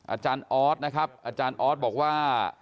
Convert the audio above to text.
อาจารย์ออสนะครับอาจารย์ออสบอกว่า